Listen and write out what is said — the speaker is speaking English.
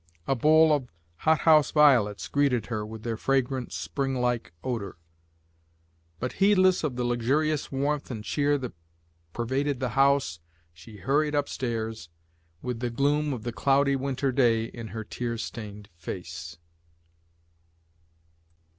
A bowl of hothouse violets greeted her with their fragrant springlike odour; but heedless of the luxurious warmth and cheer that pervaded the house, she hurried up stairs, with the gloom of the cloudy winter day in her tear stained face.